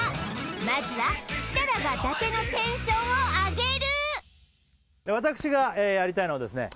まずは設楽が伊達のテンションを上げる私がやりたいのはですね